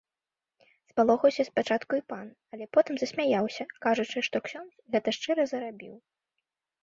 Спалохаўся спачатку і пан, але потым засмяяўся, кажучы, што ксёндз гэта шчыра зарабіў.